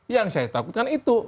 yang saya takutkan itu